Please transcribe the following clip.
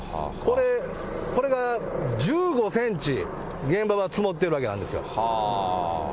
これが１５センチ、現場は積もっているわけなんですよ。